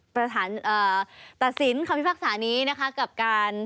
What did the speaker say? ประหารนี่นะครับกับการ